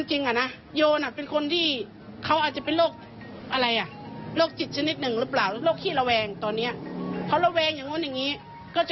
เสพยาเสพติดเข้าไปด้วยไม่อย่างนั้นคงไม่เจอ